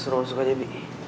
suruh masuk aja b